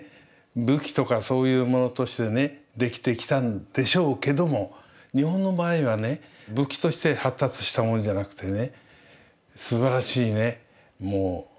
武器とかそういうものとしてねできてきたんでしょうけども日本の場合はね武器として発達したものじゃなくてね